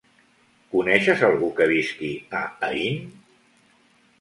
Coneixes algú que visqui a Aín?